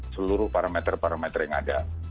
seluruh parameter parameter yang ada